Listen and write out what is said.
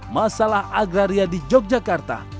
masalah agraria di jogjakarta